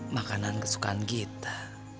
makanan kesukaan kita